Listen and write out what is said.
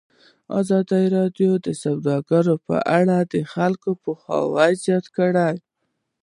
ازادي راډیو د سوداګري په اړه د خلکو پوهاوی زیات کړی.